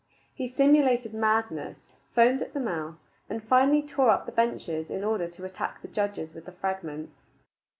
He simulated madness, foamed at the mouth, and finally tore up the benches in order to attack the judges with the fragments.